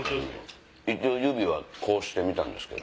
一応指はこうしてみたんですけど。